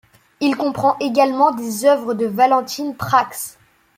Il comprend également des œuvres de Valentine Prax.